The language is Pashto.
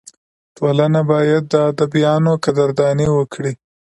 ټولنه باید د ادیبانو قدرداني وکړي.